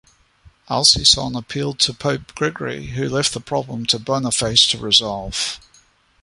Alcison appealed to Pope Gregory, who left the problem to Boniface to resolve.